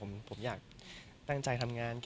ก็มีไปคุยกับคนที่เป็นคนแต่งเพลงแนวนี้